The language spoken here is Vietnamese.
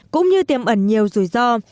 cũng như tiềm ẩn nhiều rủi ro